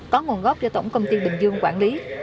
có nguồn gốc do tổng công ty bình dương quản lý